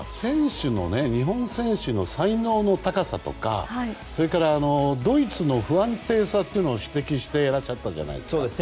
日本選手の才能の高さとかそれから、ドイツの不安定さを指摘していらっしゃったじゃないですか。